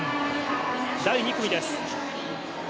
第２組です。